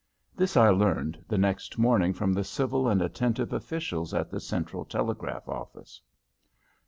This I learned the next morning from the civil and attentive officials at the Central Telegraph Office.